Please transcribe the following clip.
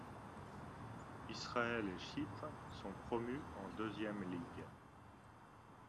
Israël et Chypre sont promus en Deuxième Ligue.